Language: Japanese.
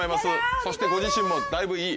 そしてご自身もだいぶいい。